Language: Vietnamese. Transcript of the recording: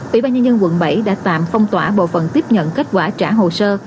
ủy ban nhân dân quận bảy đã tạm phong tỏa bộ phận tiếp nhận kết quả trả hồ sơ